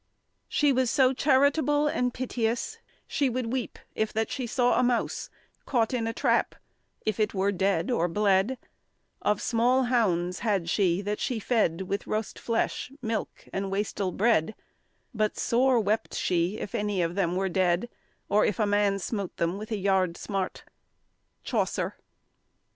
She was so charitable and pitious She would weep if that she saw a mouse Caught in a trap, if it were dead or bled; Of small hounds had she, that she fed With rost flesh, milke, and wastel bread; But sore wept she if any of them were dead, Or if man smote them with a yard smart. CHAUCER.